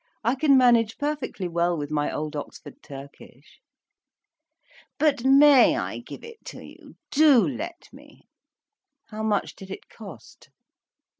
I can manage perfectly well with my old Oxford Turkish." "But may I give it to you? Do let me." "How much did it cost?"